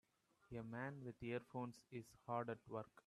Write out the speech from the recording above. A man with earphones is hard at work.